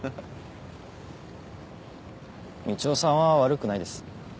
みちおさんは悪くないです。